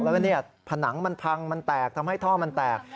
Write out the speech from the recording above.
แล้วก็ผนังมันพังมันแตกทำให้ท่อมันแตก